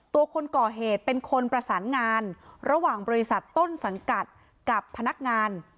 คนก่อเหตุเป็นคนประสานงานระหว่างบริษัทต้นสังกัดกับพนักงาน